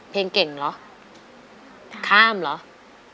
เพลงเก่งเหรอข้ามเหรอ